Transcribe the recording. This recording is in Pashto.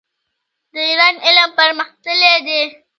د ایران علم پرمختللی دی.